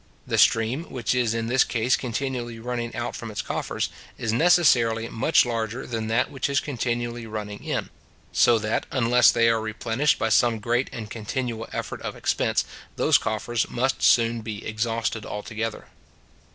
The stream which is in this case continually running out from its coffers, is necessarily much larger than that which is continually running in; so that, unless they are replenished by some great and continual effort of expense, those coffers must soon be exhausted altogether.